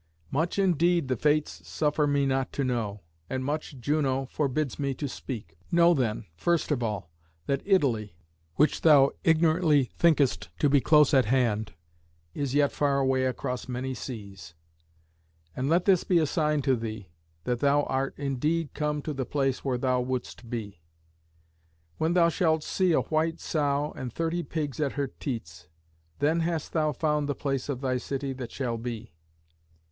Much indeed the Fates suffer me not to know, and much Juno forbids me to speak. Know then, first of all, that Italy, which thou ignorantly thinkest to be close at hand, is yet far away across many seas. And let this be a sign to thee that thou art indeed come to the place where thou wouldst be. When thou shalt see a white sow and thirty pigs at her teats, then hast thou found the place of thy city that shall be.